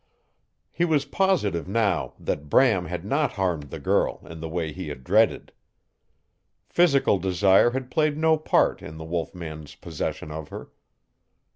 He was positive now that Bram had not harmed the girl in the way he had dreaded. Physical desire had played no part in the wolf man's possession of her.